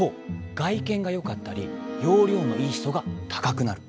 外見がよかったりようりょうのいい人が高くなる。